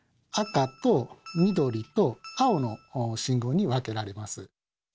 赤と緑と青の信号に分けられます。